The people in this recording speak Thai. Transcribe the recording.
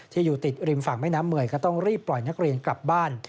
อยู่ติดริมฝั่งแม่น้ำเหมือยก็ต้องรีบปล่อยนักเรียนกลับบ้าน